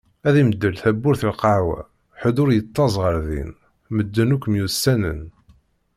Ad d-imdel tawwurt i lqahwa, ḥed ur yettaẓ ɣer din, medden akk myussanen.